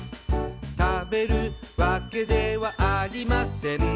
「食べるわけではありません」